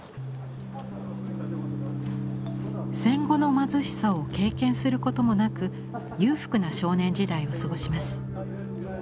戦後の貧しさを経験することもなく裕福な少年時代を過ごします。